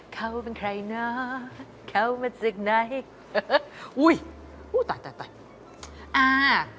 เขาเป็นใครนะเขามาจากไหนอุ้ยอุ้ยตายแต่ตายอ่า